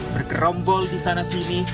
bergerombol di sana sini